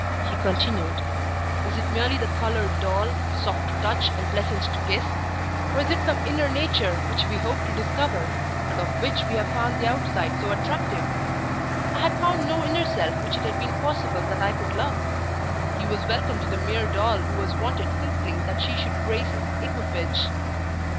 he continued. "Is it merely the coloured doll, soft to touch and pleasant to kiss? Or is it some inner nature which we hope to discover, and of which we have found the outside so attractive? I had found no inner self which it had been possible that I could love. He was welcome to the mere doll who was wanted simply that she should grace his equipage.